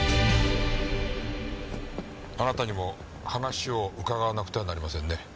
あなたにも話を伺わなくてはなりませんね。